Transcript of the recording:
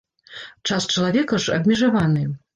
Час чалавека ж абмежаваны.